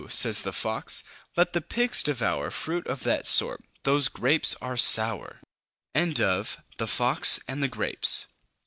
says the Fox. "Let the pigs devour Fruit of that sort. Those grapes are sour!" The Ass In The Lion's Skin.